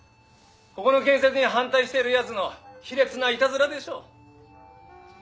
ここの建設に反対しているやつの卑劣ないたずらでしょう。